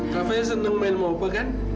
kavanya seneng main maupa kan